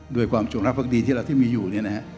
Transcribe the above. ด้วยความชวงรักพรรคดีที่เราที่มีอยู่เนี่ยนะฮะ